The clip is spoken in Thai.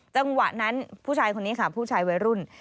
จังหวะนั้นผู้ชายคนนี้ค่ะผู้ชายวัยรุ่น